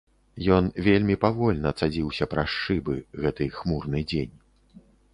Ён вельмі павольна цадзіўся праз шыбы, гэты хмурны дзень.